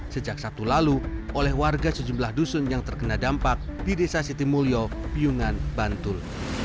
sejak sabtu lalu oleh warga sejumlah dusun yang terkena dampak di desa sitimulyo piyungan bantul